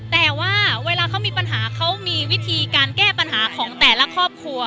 แต่ว่าเวลาเขามีปัญหาเขามีวิธีการแก้ปัญหาของแต่ละครอบครัว